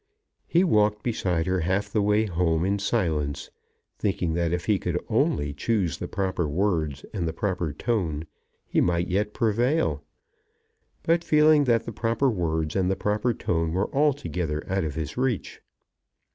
He walked beside her half the way home in silence, thinking that if he could only choose the proper words and the proper tone he might yet prevail; but feeling that the proper words and the proper tone were altogether out of his reach.